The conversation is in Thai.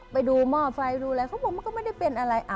ไปดูหม้อไฟอาพักลักษณ์ไม่ได้เป็นไร